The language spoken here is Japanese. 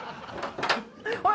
おい！